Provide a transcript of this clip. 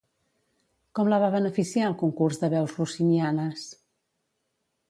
Com la va beneficiar el Concurs de Veus Rossinianes?